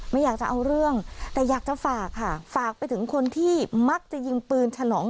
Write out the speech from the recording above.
ไม่อยากจะเอาเรื่องแต่อยากจะฝากค่ะฝากไปถึงคนที่มักจะยิงปืนฉลอง